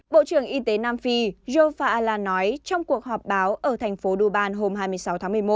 bộ trưởng y tế nam phi joe fa ala nói trong cuộc họp báo ở thành phố dubai hôm hai mươi sáu tháng một mươi một